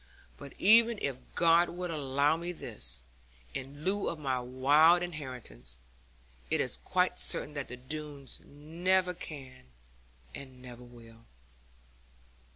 But even if God would allow me this, in lieu of my wild inheritance, it is quite certain that the Doones never can and never will.'